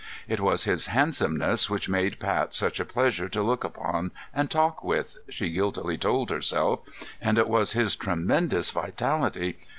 It was his handsomeness which made Pat such a pleasure to look upon and talk with, she guiltily told herself, and it was his tremendous vitality....